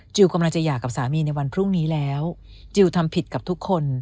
กำลังจะหย่ากับสามีในวันพรุ่งนี้แล้วจิลทำผิดกับทุกคน